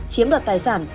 chiếm đoạt tài sản